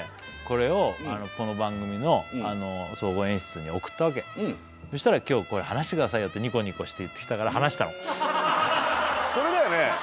これをこの番組の総合演出に送ったわけそしたら「今日これ話してくださいよ」ってニコニコして言ってきたから話したのこれだよね